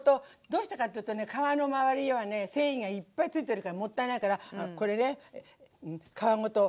どうしてかっていうとね皮の周りには繊維がいっぱいついてるからもったいないからこれね皮ごと。